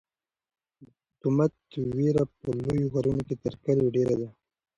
د تومت وېره په لویو ښارونو کې تر کلیو ډېره ده.